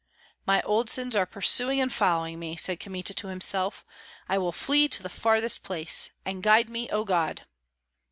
"My old sins are pursuing and following me," said Kmita to himself. "I will flee to the farthest place; and guide me, O God!"